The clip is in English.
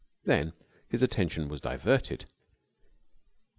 Then his attention was diverted.